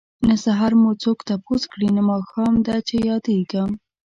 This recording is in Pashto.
نه سحر مو څوک تپوس کړي نه ماښام ده چه ياديږم